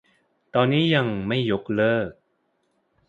ตอนนี้ยังไม่ยกเลิก